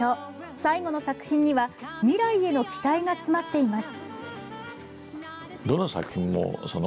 最後の作品には未来への期待が詰まっています。